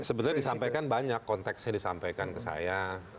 sebetulnya disampaikan banyak konteksnya disampaikan ke saya